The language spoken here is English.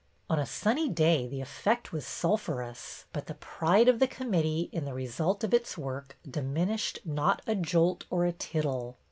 On a sunny day the effect was sulphurous; but the pride of the committee in the result of its work diminished not a jot or a tittle.